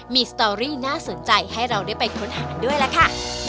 มีสตอรี่น่าสนใจให้เราได้ไปค้นหาด้วยล่ะค่ะ